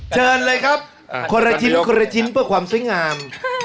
เชิญเลยครับคนละชิ้นคนละชิ้นเพื่อความสวยงาม